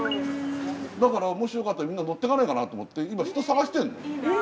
だからもしよかったらみんな乗っていかないかなと思って今人探してるの。